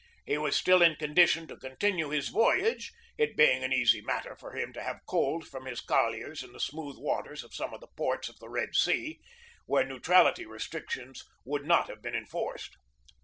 He was still in condition to continue his voyage, it being an easy matter for him to have coaled from his colliers in the smooth waters of some of the A PERIOD OF ANXIETY 261 ports of the Red Sea, where neutrality restrictions would not have been enforced.